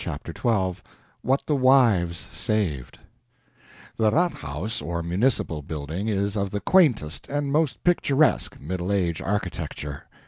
CHAPTER XII [What the Wives Saved] The RATHHAUS, or municipal building, is of the quaintest and most picturesque Middle Age architecture.